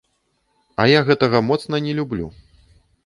А я гэтага моцна не люблю.